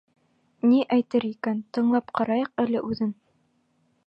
Ни әйтер икән, тыңлап ҡарайыҡ әле үҙен.